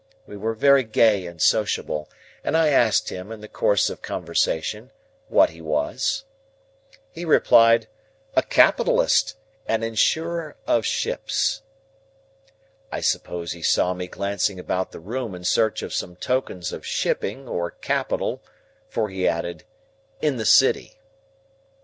We were very gay and sociable, and I asked him, in the course of conversation, what he was? He replied, "A capitalist,—an Insurer of Ships." I suppose he saw me glancing about the room in search of some tokens of Shipping, or capital, for he added, "In the City."